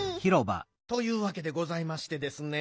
というわけでございましてですね